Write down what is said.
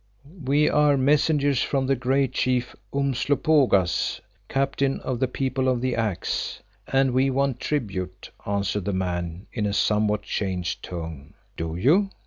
"We are messengers from the great Chief Umslopogaas, Captain of the People of the Axe, and we want tribute," answered the man in a somewhat changed tone. "Do you?